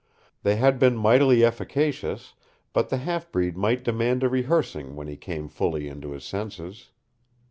They had been mightily efficacious, but the half breed might demand a rehearing when he came fully into his senses.